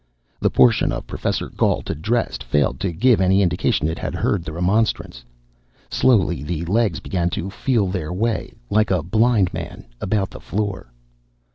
The portion of Professor Gault addressed failed to give any indication it had heard the remonstrance. Slowly, the legs began to feel their way, like a blind man, about the floor.